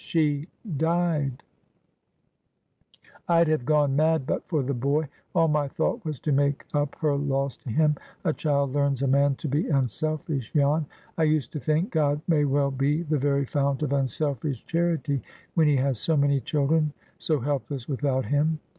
She died. "I'd have gone mad but for the boy. All my thought was to make up her loss to him. A child learns a man to be unselfish, Jan. I used to think, 'GOD may well be the very fount of unselfish charity, when He has so many children, so helpless without Him!